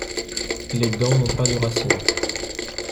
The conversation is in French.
Les dents n'ont pas de racines.